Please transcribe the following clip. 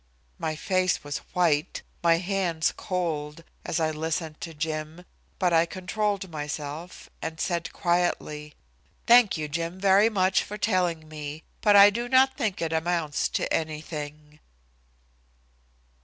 My face was white, my hands cold, as I listened to Jim, but I controlled myself, and said, quietly: "Thank you, Jim, very much for telling me, but I do not think it amounts to anything."